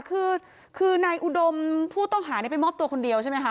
คือคือนายอุดมผู้ต้องหาไปมอบตัวคนเดียวใช่ไหมคะ